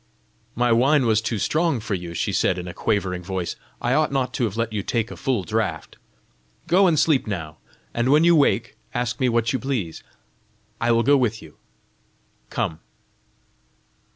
"My wine was too strong for you!" she said, in a quavering voice; "I ought not to have let you take a full draught! Go and sleep now, and when you wake ask me what you please. I will go with you: come."